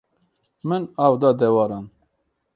Min av da dewaran.